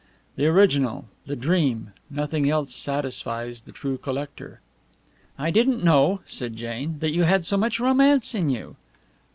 The original, the dream; nothing else satisfies the true collector." "I didn't know," said Jane, "that you had so much romance in you."